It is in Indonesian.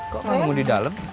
kok kamu di dalam